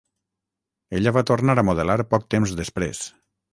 Ella va tornar a modelar poc temps després.